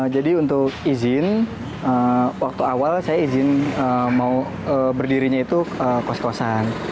jadi untuk izin waktu awal saya izin mau berdirinya itu kos kosan